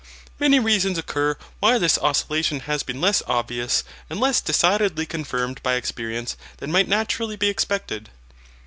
Many reasons occur why this oscillation has been less obvious, and less decidedly confirmed by experience, than might naturally be expected.